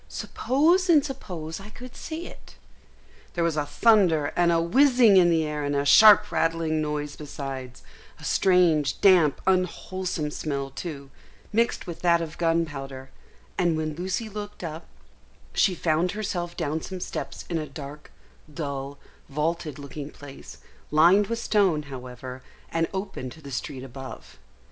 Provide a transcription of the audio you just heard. Suppose and suppose I could see it." There was a thunder and a whizzing in the air and a sharp rattling noise besides; a strange, damp, unwholesome smell too, mixed with that of gunpowder; and when Lucy looked up, she found herself down some steps in a dark, dull, vaulted looking place, lined with stone, however, and open to the street above.